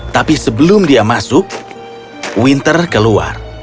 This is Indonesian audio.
tapi sebelum dia masuk winter keluar